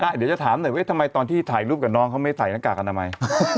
เดี๋ยวจะถามหน่อยว่าทำไมตอนที่ถ่ายรูปกับน้องเขาไม่ใส่หน้ากากอนามัย